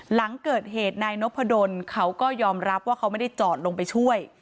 หลังเกิดเหตุนายนพดลเขาก็ยอมรับว่าเขาไม่ได้จอดลงไปช่วย